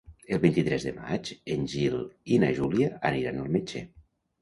El vint-i-tres de maig en Gil i na Júlia aniran al metge.